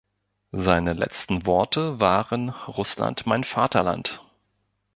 Seine letzten Worte waren „Russland, mein Vaterland“.